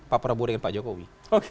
pak prabowo dengan pak jokowi